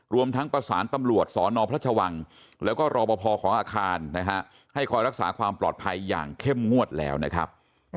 รวมทั้งประสานตำรวจสนพระชวังแล้วก็รอปภของอาคารนะฮะให้คอยรักษาความปลอดภัยอย่างเข้มงวดแล้วนะครับ